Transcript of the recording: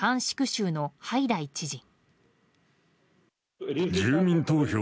州のハイダイ知事。